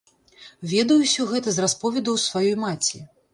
Ведаю ўсё гэта з расповедаў сваёй маці.